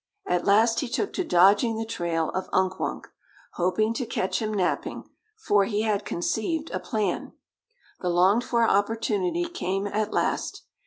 At last he took to dodging the trail of Unk Wunk, hoping to catch him napping, for he had conceived a plan. The longed for opportunity came at last.